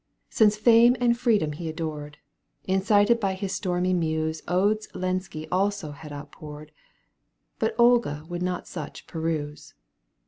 Since Fame and Freedom he adored. Incited by his stormy Muse ^ Odes Lenski also had outpoured, But Olga would not such peruse.